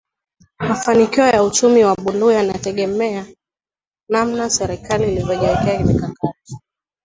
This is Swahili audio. Mafanikio ya uchumi wa buluu yanategema namna serikali ilivyojiwekea mikakati